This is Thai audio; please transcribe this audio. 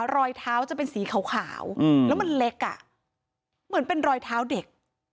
รอยเท้าจะเป็นสีขาวแล้วมันเล็กอ่ะเหมือนเป็นรอยเท้าเด็ก